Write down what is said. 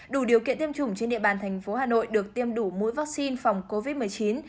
đủ điều kiện tiêm chủng trên địa bàn thành phố hà nội được tiêm đủ mũi vaccine phòng covid một mươi chín